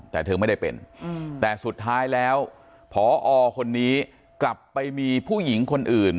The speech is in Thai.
แต่เธอไม่ได้เป็นแต่สุดท้ายแล้วพอคนนี้กลับไปมีผู้หญิงคนอื่น